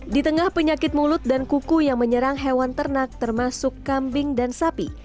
di tengah penyakit mulut dan kuku yang menyerang hewan ternak termasuk kambing dan sapi